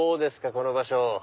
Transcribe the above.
この場所。